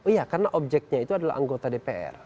iya karena objeknya itu adalah anggota dpr